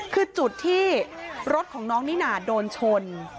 คือจุดที่รถของน้องนิน่าโดนชน